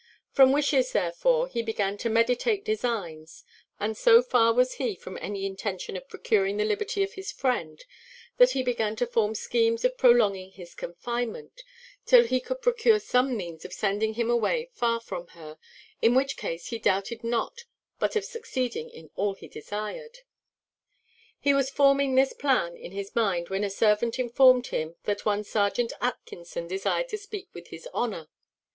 From wishes, therefore, he began to meditate designs; and so far was he from any intention of procuring the liberty of his friend, that he began to form schemes of prolonging his confinement, till he could procure some means of sending him away far from her; in which case he doubted not but of succeeding in all he desired. He was forming this plan in his mind when a servant informed him that one serjeant Atkinson desired to speak with his honour.